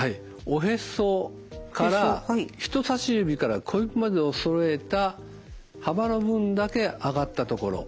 おへそから人差し指から小指までをそろえた幅の分だけ上がったところ。